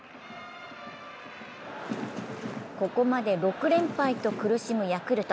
ここまで６連敗と苦しむヤクルト。